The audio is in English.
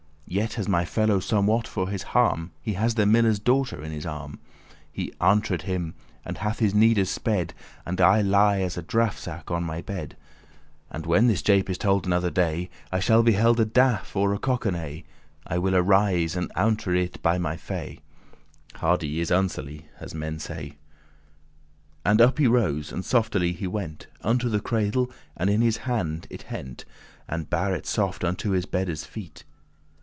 Yet has my fellow somewhat for his harm; He has the miller's daughter in his arm: He auntred* him, and hath his needes sped, *adventured And I lie as a draff sack in my bed; And when this jape is told another day, I shall be held a daffe* or a cockenay <24> *coward I will arise, and auntre* it, by my fay: *attempt Unhardy is unsely, <25> as men say." And up he rose, and softely he went Unto the cradle, and in his hand it hent*, *took And bare it soft unto his beddes feet.